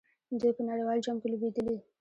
دوی په نړیوال جام کې لوبېدلي.